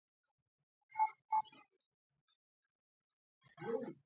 خال به د يار له وينو کيږدم، چې شينکي باغ کې ګل ګلاب وشرموينه.